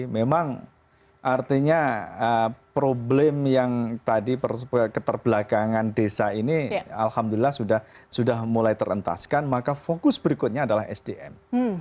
memang artinya problem yang tadi keterbelakangan desa ini alhamdulillah sudah mulai terentaskan maka fokus berikutnya adalah sdm